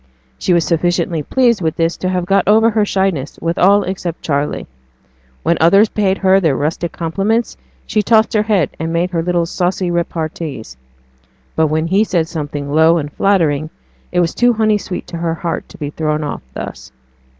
She was sufficiently pleased with this to have got over her shyness with all except Charley. When others paid her their rustic compliments she tossed her head, and made her little saucy repartees; but when he said something low and flattering, it was too honey sweet to her heart to be thrown off thus.